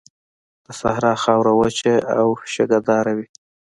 د صحرا خاوره وچه او شګهداره وي.